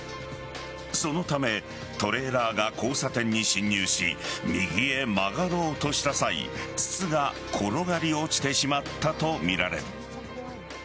そのためトレーラーが交差点に進入し右へ曲がろうとした際筒が転がり落ちてしまったとみられる。